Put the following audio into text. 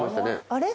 あれ？